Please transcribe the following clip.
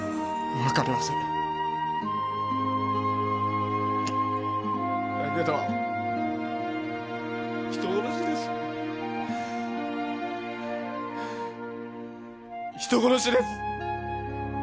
分かりませんだけど人殺しです人殺しです